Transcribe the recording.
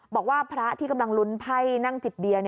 บอกว่าพระที่กำลังลุ้นไพ่นั่งจิบเบียร์